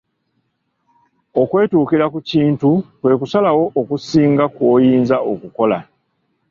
Okwetuukira ku kintu kwe kusalawo okusinga kw'oyinza okukola.